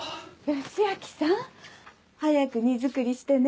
良明さん早く荷造りしてね。